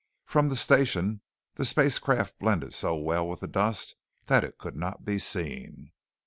From the station the spacecraft blended so well with the dust that it could not be seen.